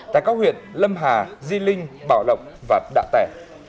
tại các huyện lâm hà di linh bảo lộc và đạ tẻ